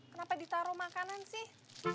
kenapa ditaruh makanan sih